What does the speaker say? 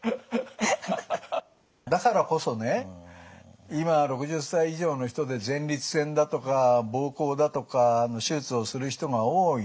だからこそね今６０歳以上の人で前立腺だとか膀胱だとかの手術をする人が多いと。